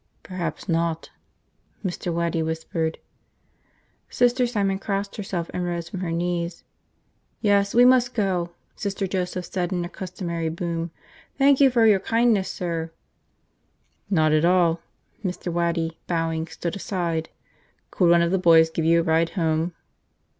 "Perhaps not," Mr. Waddy whispered. Sister Simon crossed herself and rose from her knees. "Yes, we must go," Sister Joseph said in her customary boom. "Thank you for your kindness, sir." "Not at all." Mr. Waddy, bowing, stood aside. "Could one of the boys give you a ride home?"